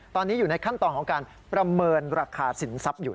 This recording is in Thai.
ตอนนี้อยู่ในขั้นตอนของการประเมินราคาสินทรัพย์อยู่